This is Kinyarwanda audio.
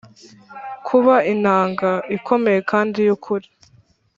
kuba inanga, ikomeye kandi yukuri,